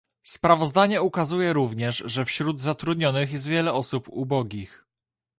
Sprawozdanie ukazuje również, że wśród zatrudnionych jest wiele osób ubogich